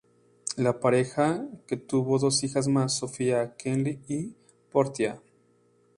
La pareja tuvo dos hijas más, Sophia Kylie y Portia.